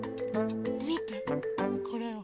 みてこれを。